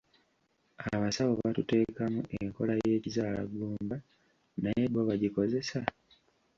Abasawo batuteekamu enkola y'ekizaalagumba naye bo bagikozesa?